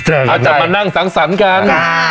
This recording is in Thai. อาจจะมานั่งสังสรรค์กัน